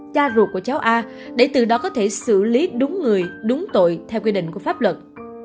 cha ruột của cháu a để từ đó có thể xử lý đúng người đúng tội theo quy định của pháp luật